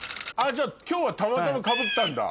今日はたまたまかぶったんだ？